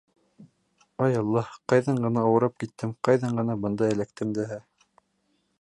— Ай, Аллаһ, ҡайҙан ғына ауырып киттем, ҡайҙан ғына бында эләктем дәһә...